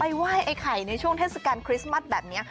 ไหว้ไอ้ไข่ในช่วงเทศกาลคริสต์มัสแบบนี้